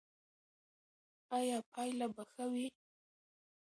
ایا پایله به ښه وي؟